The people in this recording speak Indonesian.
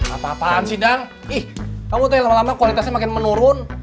apa apaan sih dang ih kamu tahu lama lama kualitasnya makin menurun